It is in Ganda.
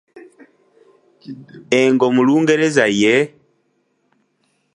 Engo mu Lungereza ye?